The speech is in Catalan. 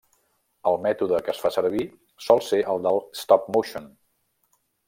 El mètode que es fa servir sol ser el de Stop-motion.